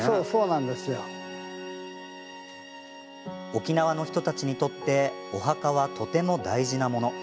沖縄の人たちにとってお墓は、とても大事なもの。